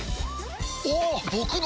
おっ！